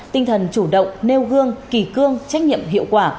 tinh thần chủ động nêu gương kỳ cương trách nhiệm hiệu quả